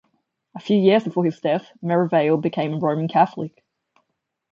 A few years before his death Merivale became a Roman Catholic.